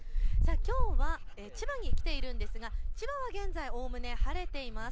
きょうは千葉に来ているんですが千葉は現在おおむね晴れています。